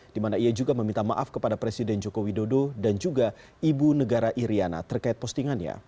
di mana ia juga meminta maaf kepada presiden joko widodo dan juga ibu negara iryana terkait postingannya